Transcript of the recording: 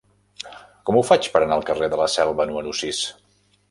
Com ho faig per anar al carrer de la Selva número sis?